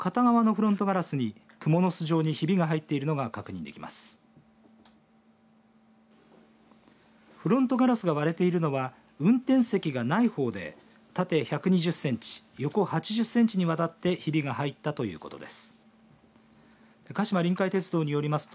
フロントガラスが割れているのは運転席がない方で縦１２０センチ横８０センチにわたってひびが入ったということです。